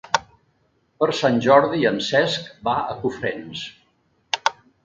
Per Sant Jordi en Cesc va a Cofrents.